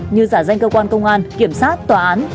như giả danh cơ quan công an kiểm sát tòa án